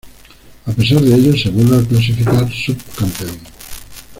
A pesar de ello, se vuelve a clasificar sub-campeón.